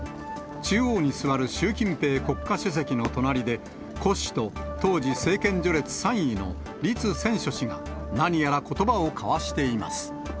中央に座る習近平国家主席の隣で、胡氏と、当時、政権序列３位の栗戦書氏が、何やらことばを交わしています。